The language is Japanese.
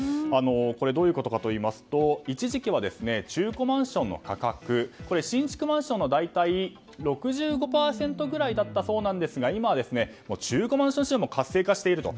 どういうことかといいますと一時期は中古マンションの価格新築マンションの大体６５％くらいだったそうで今は中古マンション市場も活性化していると。